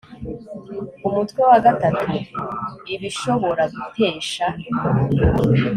umutwe wa gatatu ibishobora gutesha